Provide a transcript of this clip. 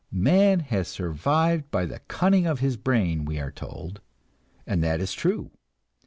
Man has survived by the cunning of his brain, we are told, and that is true.